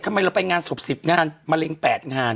ทำไมเราไปงานศพ๑๐งานมะเร็ง๘งาน